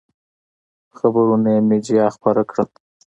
خبرونه یې مېډیا خپاره کړل.